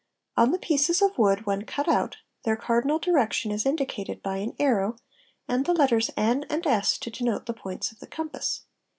On the pieces of wood when cut out their cardinal direction is indicated by an arrow and the letters N and S to denote the points of the compass.